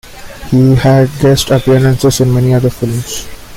He had guest appearances in many other films.